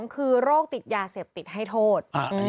คือโรคติดยาเสพติดให้โทษ